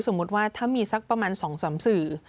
สมมุติว่าถ้ามีสักประมาณ๒๓สื่อ